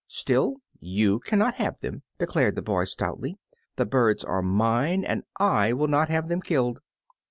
"Still, you cannot have them," declared the boy stoutly, "the birds are mine, and I will not have them killed."